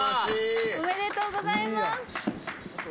おめでとうございます。